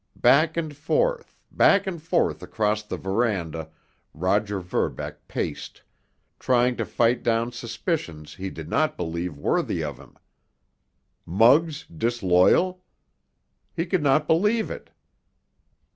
Back and forth, back and forth across the veranda, Roger Verbeck paced, trying to fight down suspicions he did not believe worthy of him. Muggs disloyal? He could not believe it!